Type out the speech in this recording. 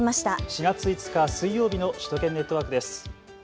４月５日水曜日の首都圏ネットワークです。